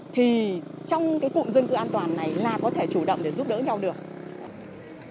thì trong cái cụm dân cư an toàn này là có thể chủ động để giúp đỡ nhau được